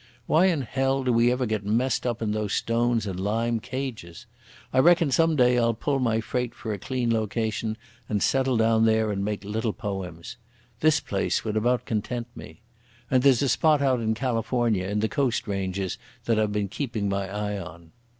Why in hell do we ever get messed up in those stone and lime cages? I reckon some day I'll pull my freight for a clean location and settle down there and make little poems. This place would about content me. And there's a spot out in California in the Coast ranges that I've been keeping my eye on."